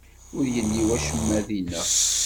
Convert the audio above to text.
Ur yelli wacemma dinna.